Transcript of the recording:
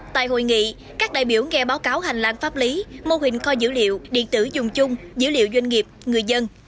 tại hội nghị các đại biểu nghe báo cáo hành lang pháp lý mô hình kho dữ liệu điện tử dùng chung dữ liệu doanh nghiệp người dân